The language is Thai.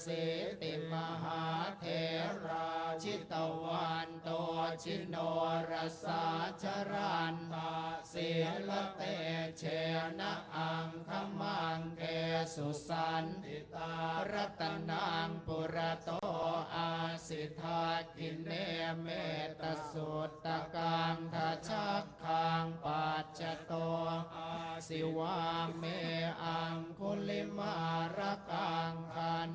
สิติมหาเทราชิตวันตัวชินอุระสาจารันต์ทะสิระเตเชณะอังคัมมางเกสุสันต์ประตนังปุรัตโตอัสสิธคิเนเมตตะสุทธกางทะชะคางปาชโตอัสสิวะเมอังกุริมหารกังกัน